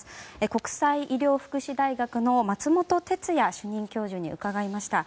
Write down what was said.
国際医療福祉大学の松本哲哉主任教授に伺いました。